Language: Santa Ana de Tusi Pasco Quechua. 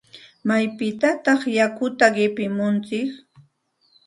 ¿Maypitataq yakuta qipimuntsik?